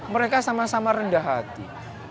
mereka sama sama rendah hati